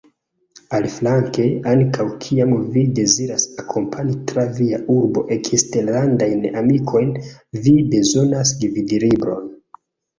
Aliflanke, ankaŭ kiam vi deziras akompani tra via urbo eksterlandajn amikojn, vi bezonas gvidlibron.